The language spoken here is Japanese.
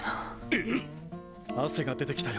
え⁉汗が出てきたよ